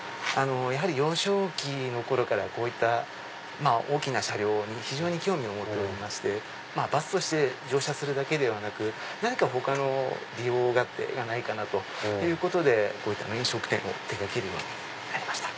やはり幼少期からこういった大きな車両に非常に興味を持っておりましてバスとして乗車するだけではなく何か他の利用勝手がないかなということでこういった飲食店を手掛けるようになりました。